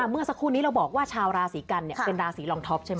เมื่อสักครู่นี้เราบอกว่าชาวราศีกันเป็นราศีรองท็อปใช่ไหม